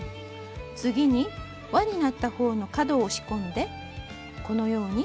次にわになった方の角を押し込んでこのように折ります。